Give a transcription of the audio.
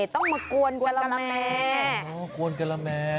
ต้องมากวนการาแม